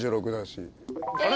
あれ？